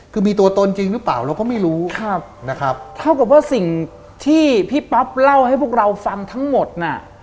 คือมีตัวตนจริงหรือเปล่าเราก็ไม่รู้ครับนะครับเท่ากับว่าสิ่งที่พี่ป๊อปเล่าให้พวกเราฟังทั้งหมดน่ะ